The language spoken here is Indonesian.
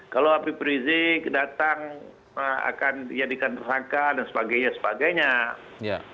kalau habib rizik datang akan dijadikan tersangka dan sebagainya sebagainya